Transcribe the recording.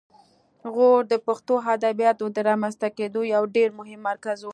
غور د پښتو ادبیاتو د رامنځته کیدو یو ډېر مهم مرکز و